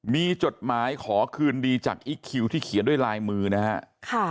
มีจดหมายขอคืนดีจากอีคคิวที่เขียนด้วยลายมือนะฮะ